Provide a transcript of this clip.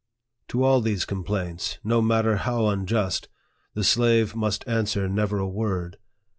To all these complaints, no matter how unjust, the slave must answer never a word.